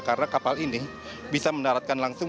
karena kapal ini bisa mendaratkan langsung